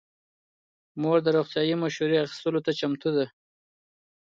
مور د روغتیايي مشورې اخیستلو ته چمتو ده.